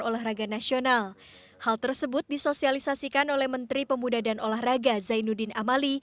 olahraga nasional hal tersebut disosialisasikan oleh menteri pemuda dan olahraga zainuddin amali